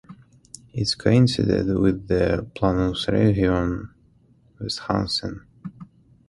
It coincided with the "Planungsregion" Westsachsen.